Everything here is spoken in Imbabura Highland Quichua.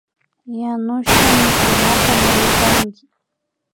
Yanushka mikunata mallipanki